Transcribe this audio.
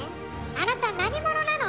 あなた何者なの！